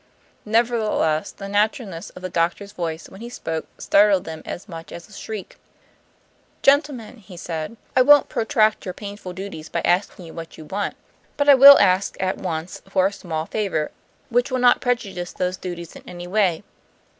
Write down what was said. Nevertheless, the naturalness of the doctor's voice, when he spoke, startled them as much as a shriek. "Gentleman," he said, "I won't protract your painful duties by asking you what you want; but I will ask at once for a small favor, which will not prejudice those duties in any way.